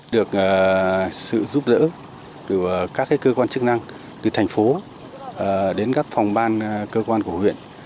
được sự giúp đỡ từ các cơ quan chức năng từ thành phố đến các phòng ban cơ quan của huyện